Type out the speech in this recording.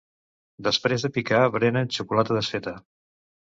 Després de picar berenen xocolata desfeta.